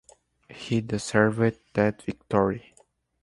He deserved that victory.